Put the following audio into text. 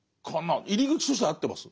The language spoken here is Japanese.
入り口としては合ってます？